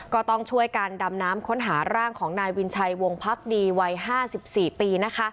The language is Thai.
ก็ต้องช่วยกันดำน้ำค้นหาร่างของนายวินชัยวงพักดีวัย๕๔ปี